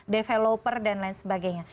developer dan lain sebagainya